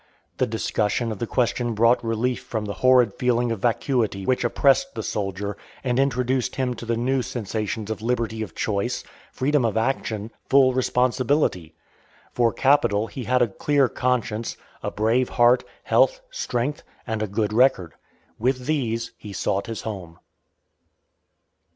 The discussion of the question brought relief from the horrid feeling of vacuity which oppressed the soldier and introduced him to the new sensations of liberty of choice, freedom of action full responsibility. For capital he had a clear conscience, a brave heart, health, strength, and a good record. With these he sought his home.